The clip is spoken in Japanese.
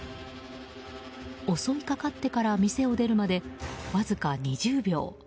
襲いかかってから店を出るまでわずか２０秒。